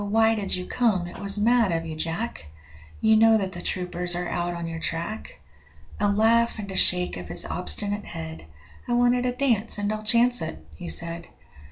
why did you come? it was mad of you, Jack; You know that the troopers are out on your track.' A laugh and a shake of his obstinate head 'I wanted a dance, and I'll chance it,' he said.